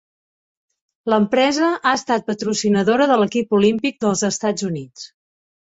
L'empresa ha estat patrocinadora de l'equip olímpic dels Estats Units.